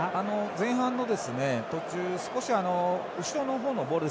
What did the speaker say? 前半の途中少し後ろの方のボール